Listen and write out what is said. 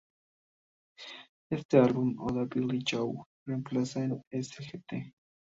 El álbum, "Oda a Billie Joe", reemplaza a "Sgt.